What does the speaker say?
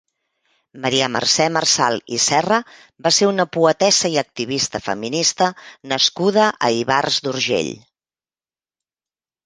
Maria Mercè Marçal i Serra va ser una poetessa i activista feminista nascuda a Ivars d'Urgell.